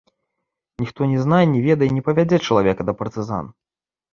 Ніхто ні знай ні ведай не павядзе чалавека да партызан.